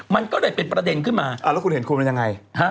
มันก็เลยเป็นประเด็นขึ้นมาแล้วคุณเห็นควรเป็นยังไง